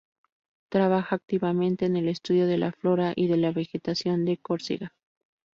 Trabaja activamente en el estudio de la flora y de la vegetación de Córcega.